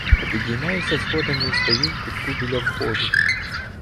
Піднімаюся сходами і стаю в кутку біля входу.